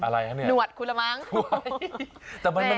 แต่มันหนางที